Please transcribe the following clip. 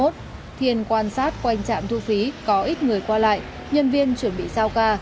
thiên quan sát quanh trạm thu phí có ít người qua lại nhân viên chuẩn bị sao ca